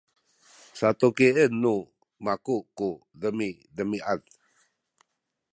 satukien nu maku tu demidemiad